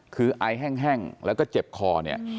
คือไอแห้งแล้วก็เจ็บคอเนี่ย